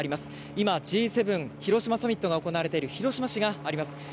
今、Ｇ７広島サミットが行われている広島市があります。